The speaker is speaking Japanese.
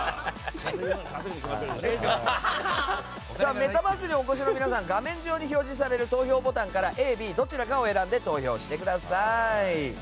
メタバースにお越しの皆さん画面上に表示される投票ボタンからＡ、Ｂどちらかを選んで投票してください。